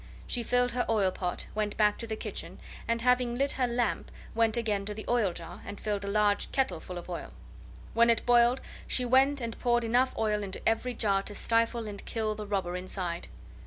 She filled her oil pot, went back to the kitchen, and, having lit her lamp, went again to the oil jar and filled a large kettle full of oil. When it boiled she went and poured enough oil into every jar to stifle and kill the robber inside.